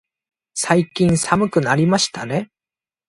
最近寒くなりましたね。